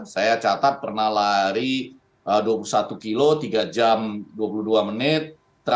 saya catat pernah lari dua puluh satu kilo tiga jam dua puluh dua menit